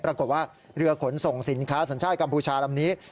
ปรากฏว่าเรือขนส่งสินค้าสัญชาติกัมพูชาลำนี้